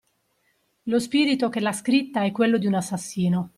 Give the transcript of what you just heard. Lo spirito che l'ha scritta è quello di un assassino.